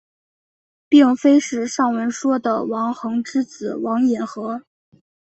并非是上文说的王桓之子王尹和。